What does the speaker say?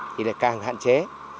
thì là càng hạn chế